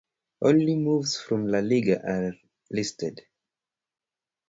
Only moves from La Liga are listed.